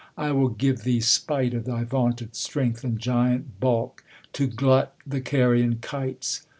I will give thee. Spite of thy vaunted strength and giant bulk, To glut the carrion kites.